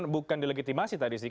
bukan delegitimasi tadi sih